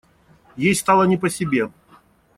Ей стало не по себе.